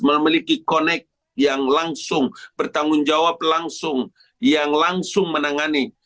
memiliki connect yang langsung bertanggung jawab langsung yang langsung menangani